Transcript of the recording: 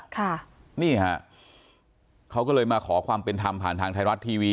ค่ะนี่ฮะเขาก็เลยมาขอความเป็นธรรมผ่านทางไทยรัฐทีวี